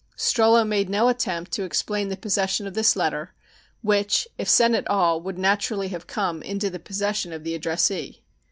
Strollo made no attempt to explain the possession of this letter, which, if sent at all would naturally have come into the possession of the addressee.